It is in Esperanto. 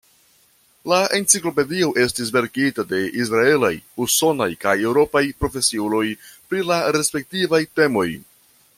La enciklopedio estis verkita de israelaj, usonaj kaj eŭropaj profesiuloj pri la respektivaj temoj.